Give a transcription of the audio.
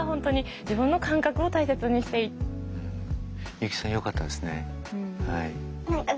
ユキさんよかったですね。